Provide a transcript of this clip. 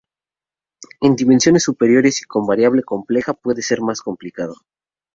En dimensiones superiores y con variable compleja puede ser más complicado.